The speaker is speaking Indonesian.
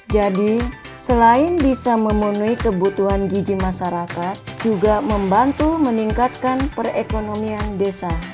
jadi selain bisa memenuhi kebutuhan giji masyarakat juga membantu meningkatkan perekonomian desa